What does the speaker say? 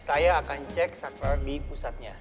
saya akan cek bisnis sakra ini di pusatnya